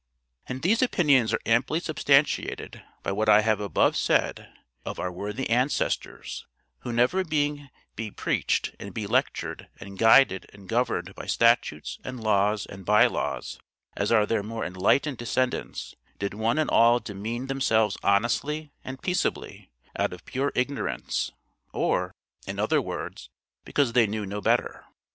And these opinions are amply substantiated by what I have above said of our worthy ancestors; who never being be preached and be lectured, and guided and governed by statutes and laws and by laws, as are their more enlightened descendants, did one and all demean themselves honestly and peaceably, out of pure ignorance, or, in other words because they knew no better.